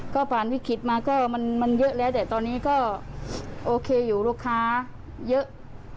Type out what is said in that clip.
ก็ผ่านวิกฤตมาก็มันเยอะแล้วแต่ตอนนี้ก็โอเคอยู่ลูกค้าเยอะ